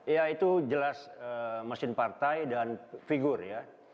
ya itu jelas mesin partai dan figur ya